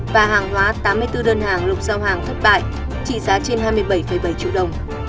và hàng hóa tám mươi bốn đơn hàng lục giao hàng thất bại trị giá trên hai mươi bảy bảy triệu đồng